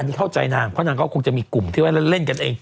อันนี้เข้าใจนางเพราะนางก็คงจะมีกลุ่มที่ว่าเล่นกันเอง